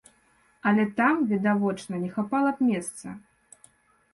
Але там, відавочна, не хапала б месца.